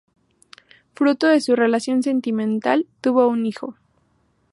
Fruto de su relación sentimental, tuvo un hijo.